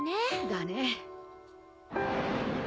だね。